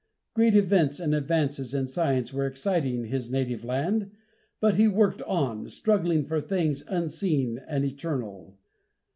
Great events and advances in science were exciting his native land, but he worked on, struggling for things unseen and eternal.